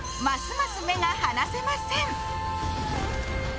ます目が離せません。